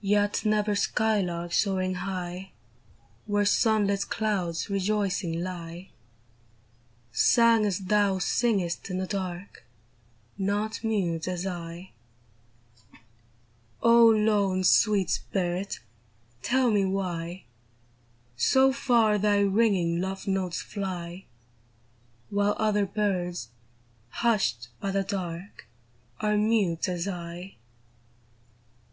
Yet never skylark soaring high Where sun lit clouds rejoicing lie. Sang as thou singest in the dark, Not mute as I ! O lone, sweet spirit ! tell me Avhy So far thy ringing love notes fly, While other birds, hushed by the dark, Are mute as I